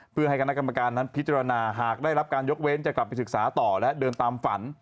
เพื่อให้คณะกรรมการนั้นพิจารณาหากได้รับการยกเว้นจะกลับไปศึกษาต่อและเดินตามฝัน